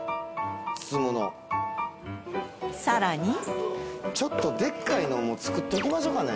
包むのさらにちょっとでっかいのも作っときましょうかね